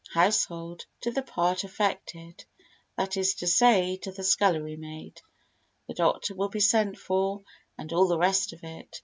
e. household) to the part affected (that is to say, to the scullery maid); the doctor will be sent for and all the rest of it.